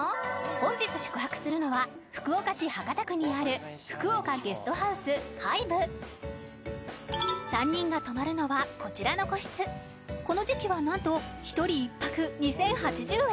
本日宿泊するのは福岡市博多区にある「ＦｕｋｕｏｋａＧｕｅｓｔｈｏｕｓｅＨＩＶＥ」３人が泊まるのはこちらの個室この時期はなんと１人１泊２，０８０円！